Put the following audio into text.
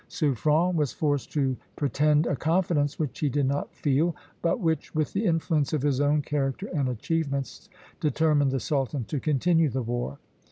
Suffren was forced to pretend a confidence which he did not feel, but which, with the influence of his own character and achievements, determined the sultan to continue the war.